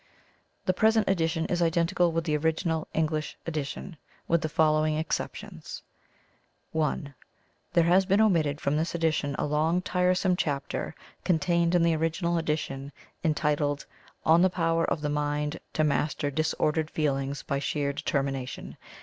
The present edition is identical with the original English edition with the following exceptions: (1) There has been omitted from this edition a long, tiresome chapter contained in the original edition, entitled "On the Power of the Mind to master disordered Feelings by sheer Determination.